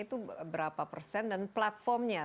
itu berapa persen dan platformnya